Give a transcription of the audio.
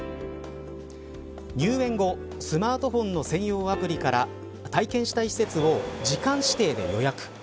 入園後スマートフォンの専用アプリから体験したい施設を時間指定で予約。